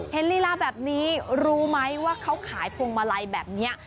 ลีลาแบบนี้รู้ไหมว่าเขาขายพวงมาลัยแบบนี้